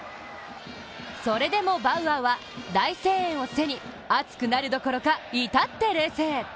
それでもバウアーは大声援を背に熱くなるどころか、至って冷静。